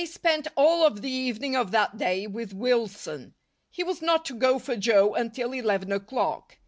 spent all of the evening of that day with Wilson. He was not to go for Joe until eleven o'clock.